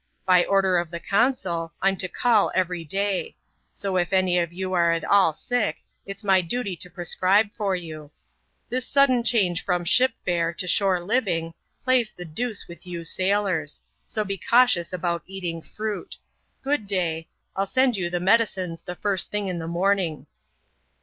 By order of the consul, I'm to call everyday; so if any of you are at all sick, it's my duty to prescribe for you, This sudden change from ship fare to shore living, plays the deuce with you sailors ; so be cautious about eating fruit. Good day ! Til send you the medicines the first thing in the morning."